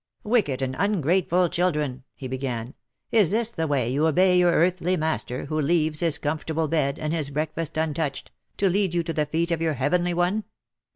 " Wicked and ungrateful children I" he began, " Is this the way OF MICHAEL ARMSTRONG. 241 you obey your earthly master, who leaves his comfortable bed, and his breakfast untouched, to lead you to the feet of your heavenly one